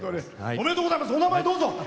お名前をどうぞ。